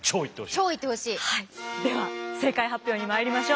では正解発表に参りましょう。